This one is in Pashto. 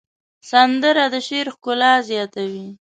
سندره د شعر ښکلا زیاتوي